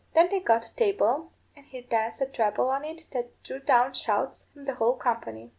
Then they got a table, and he danced a treble on it that drew down shouts from the whole company.